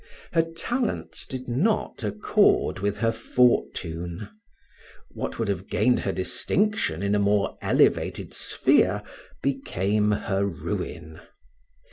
Her talents did not accord with her fortune; what would have gained her distinction in a more elevated sphere, became her ruin.